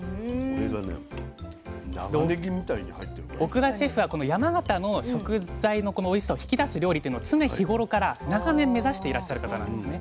奥田シェフはこの山形の食材のおいしさを引き出す料理っていうのを常日頃から長年目指していらっしゃる方なんですね。